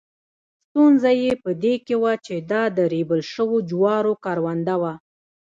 ستونزه یې په دې کې وه چې دا د ریبل شوو جوارو کرونده وه.